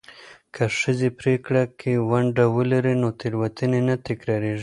که ښځې پرېکړه کې ونډه ولري، تېروتنې نه تکرارېږي.